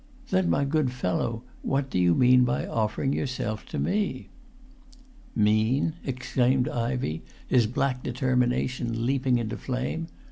"Then my good fellow, what do you mean by offering yourself to me?" "Mean?" exclaimed Ivey, his black determination leaping into flame.